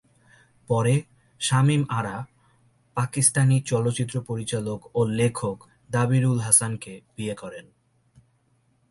পরে, শামীম আরা পাকিস্তানি চলচ্চিত্র পরিচালক ও লেখক দাবির-উল-হাসানকে বিয়ে করেন।